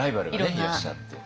いらっしゃって。